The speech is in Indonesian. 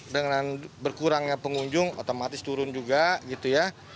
dengan berkurangnya pengunjung otomatis turun juga gitu ya